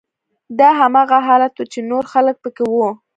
دا هماغه حالت و چې نور خلک پکې وو